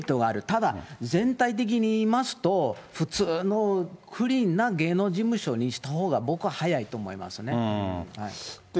ただ全体的にいいますと、普通のフリーな芸能事務所にしたほうが、僕は早いと思いますね。